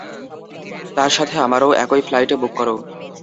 তার সাথে আমারও একই ফ্লাইটে বুক কর।